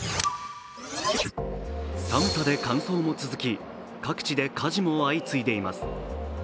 寒さで乾燥も続き、各地で火事も相次いでいます。